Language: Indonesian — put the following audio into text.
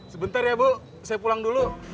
sebentar ya bu saya pulang dulu